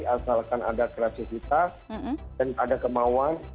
asalkan ada kreativitas dan ada kemauan